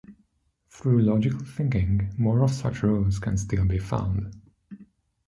Through logical thinking more of such rules can still be found.